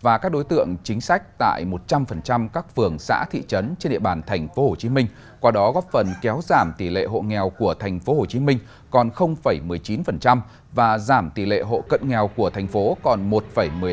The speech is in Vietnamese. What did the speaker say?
và các đối tượng chính sách tại một trăm linh các phường xã thị trấn trên địa bàn tp hcm qua đó góp phần kéo giảm tỷ lệ hộ nghèo của tp hcm còn một mươi chín và giảm tỷ lệ hộ cận nghèo của thành phố còn một một mươi năm